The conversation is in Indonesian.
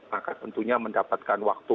maka tentunya mendapatkan waktu